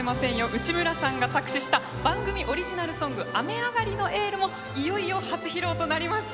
内村さんが作詞した番組オリジナルソング「雨上がりのエール」もいよいよ初披露となります。